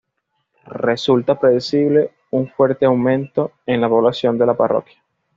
Resulta predecible un fuerte aumento en la población de la parroquia.